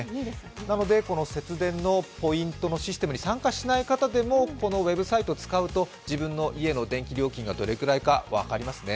なので節電のポイントシステムに参加しない方でも、このウェブサイトを使うと自分の家の電気料金がどれくらいか分かりますね。